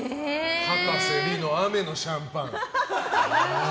かたせ梨乃の雨のシャンパン。